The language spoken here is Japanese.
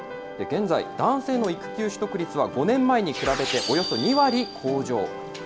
現在、男性の育休取得率は、５年前に比べておよそ２割向上。